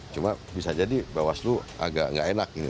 cuma bisa jadi bawaslu agak nggak enak ini